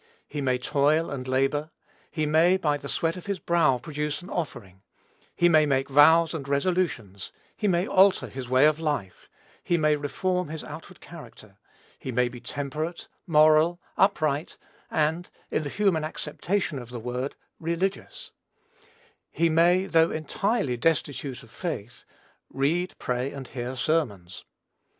He may toil and labor; he may, by the sweat of his brow, produce an offering; he may make vows and resolutions; he may alter his way of life; he may reform his outward character; he may be temperate, moral, upright, and, in the human acceptation of the word, religious; he may, though entirely destitute of faith, read, pray, and hear sermons.